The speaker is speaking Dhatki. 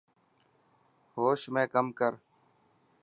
هوش ۾ ڪم ڪر.